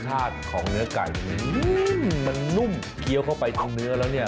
รสชาติของเนื้อไก่มันนุ่มเคี้ยวเข้าไปตรงเนื้อแล้วเนี่ย